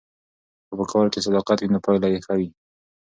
که په کار کې صداقت وي نو پایله یې ښه وي.